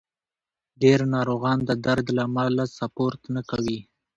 ډېر ناروغان د درد له امله سپورت نه کوي.